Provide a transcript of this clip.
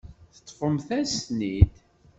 Teṭṭfem-as-ten-id.